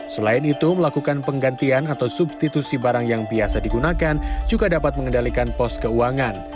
selain itu melakukan penggantian atau substitusi barang yang biasa digunakan juga dapat mengendalikan pos keuangan